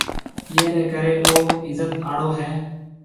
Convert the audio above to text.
ايئي ريَ ڪريَ او عِزت آݪو هيَ۔